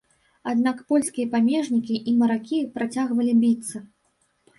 Аднак польскія памежнікі і маракі працягвалі біцца.